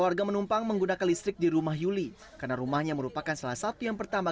warga menumpang menggunakan listrik di rumah yuli karena rumahnya merupakan salah satu yang pertama